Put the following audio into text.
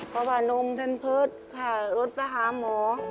เพราะว่านมเพิ่มเพิศค่ะรถไปหาหมอ